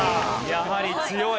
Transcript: やはり強い！